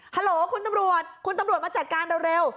โหลคุณตำรวจคุณตำรวจมาจัดการเร็ว